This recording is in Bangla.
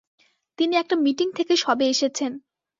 তিনি একটা মিটিং থেকে সবে এসেছেন।